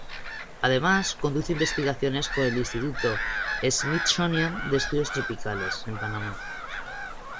Además, conduce investigaciones con el Instituto Smithsonian de Estudios Tropicales, en Panamá.